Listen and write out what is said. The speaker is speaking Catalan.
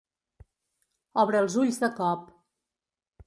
Obre els ulls de cop.